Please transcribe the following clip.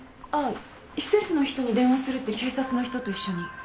あぁ施設の人に電話するって警察の人と一緒に。